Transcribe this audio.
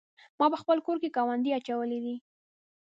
ما په خپل کور کې ګاونډی اچولی دی.